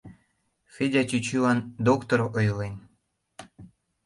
— Федя чӱчӱлан доктор ойлен.